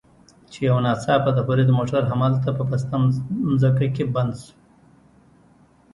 چې یو ناڅاپه د فرید موټر همالته په پسته ځمکه کې بند شو.